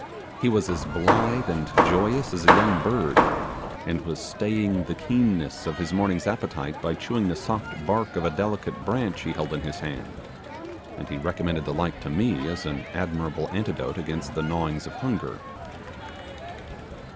He was as blithe and joyous as a young bird, and was staying the keenness of his morning's appetite by chewing the soft bark of a delicate branch he held in his hand, and he recommended the like to me as an admirable antidote against the gnawings of hunger.